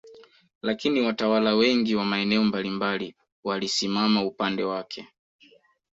Lakini watawala wengi wa maeneo mbalimbali walisimama upande wake